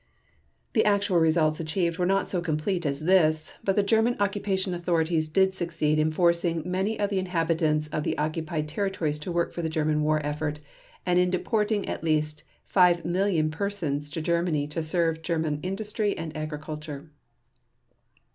The actual results achieved were not so complete as this, but the German occupation authorities did succeed in forcing many of the inhabitants of the occupied territories to work for the German war effort, and in deporting at least 5,000,000 persons to Germany to serve German industry and agriculture.